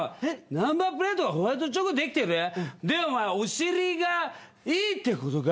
ナンバープレートがホワイトチョコで出来てるでおまえおしりがいいってことか？